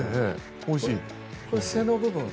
おいしい。